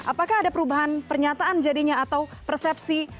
apakah ada perubahan pernyataan jadinya atau persepsi